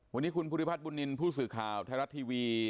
วันนี้คุณภูริพัฒนบุญนินทร์ผู้สื่อข่าวไทยรัฐทีวี